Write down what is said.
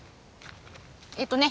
えっとね